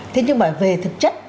thế nhưng mà về thực chất